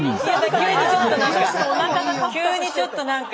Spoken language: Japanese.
急にちょっとなんか。